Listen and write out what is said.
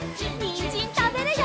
にんじんたべるよ！